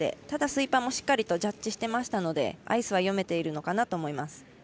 ただスイーパーもしっかりジャッジしていましたのでアイスは読めているのかなと思います。